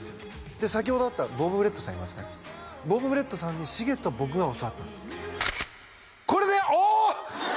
で先ほどあったボブ・ブレットさんいますねボブ・ブレットさんにしげと僕が教わったんですこれだよおお！